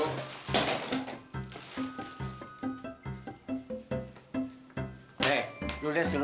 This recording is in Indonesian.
oh terima kasih